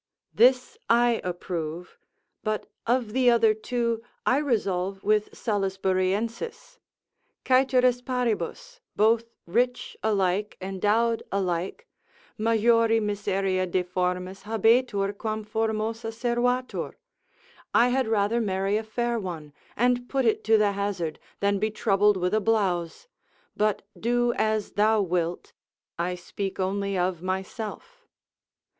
This I approve; but of the other two I resolve with Salisburiensis, caeteris paribus, both rich alike, endowed alike, majori miseria deformis habetur quam formosa servatur, I had rather marry a fair one, and put it to the hazard, than be troubled with a blowze; but do as thou wilt, I speak only of myself.